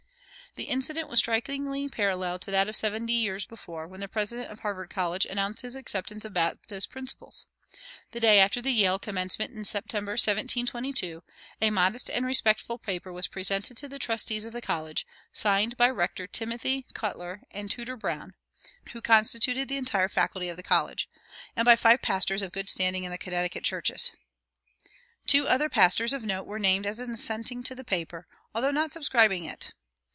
The incident was strikingly parallel to that of seventy years before, when the president of Harvard College announced his acceptance of Baptist principles. The day after the Yale commencement in September, 1722, a modest and respectful paper was presented to the trustees of the college, signed by Rector Timothy Cutler and Tutor Brown (who constituted the entire faculty of the college) and by five pastors of good standing in the Connecticut churches. Two other pastors of note were named as assenting to the paper, although not subscribing it.